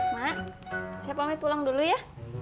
mak siapa pamit tulang dulu ya